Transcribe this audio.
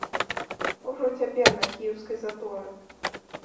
Ужо цяпер на кіеўскай заторы.